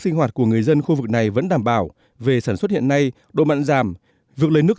sinh hoạt của người dân khu vực này vẫn đảm bảo về sản xuất hiện nay độ mặn giảm việc lấy nước